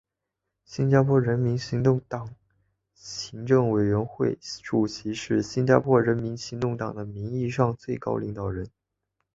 新加坡人民行动党行政委员会主席是新加坡人民行动党的名义上的最高领导人。